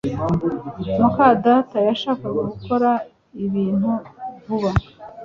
muka data yashakaga gukora ibintu vuba